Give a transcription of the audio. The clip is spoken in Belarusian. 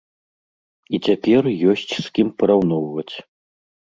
І цяпер ёсць з кім параўноўваць.